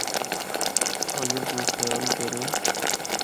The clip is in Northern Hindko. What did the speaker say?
اگر کوئی خیال کرّے۔